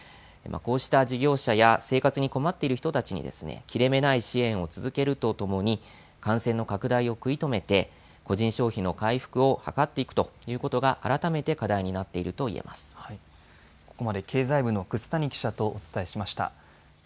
こうした事業者や生活に困っている人たちに、切れ目ない支援を続けるとともに感染の拡大を食い止めて個人消費の回復を図っていくということが改めて課題になっていると言えます。